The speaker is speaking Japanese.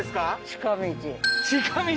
近道？